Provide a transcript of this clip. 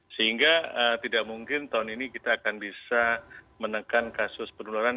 sehingga tidak mungkin tahun ini kita akan bisa menekan kasus penularan